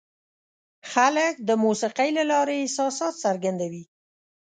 خلک د موسیقۍ له لارې احساسات څرګندوي.